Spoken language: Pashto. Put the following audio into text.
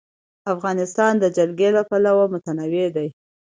افغانستان د جلګه له پلوه متنوع دی.